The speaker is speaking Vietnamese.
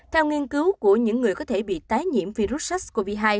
theo nghiên cứu của những người có thể bị tái nhiễm virus sars cov hai